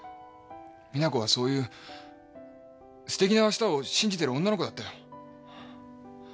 実那子はそういうステキなあしたを信じてる女の子だったよ。